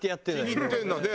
気に入ってんだね